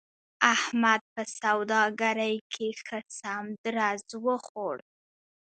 احمد په سوداګرۍ کې ښه سم درز و خوړ.